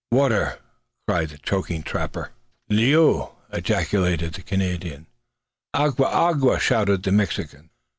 "Water!" cried the choking trapper. "L'eau!" ejaculated the Canadian. "Agua! agua!" shouted the Mexican.